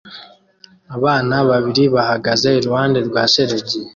Abana babiri bahagaze iruhande rwa shelegi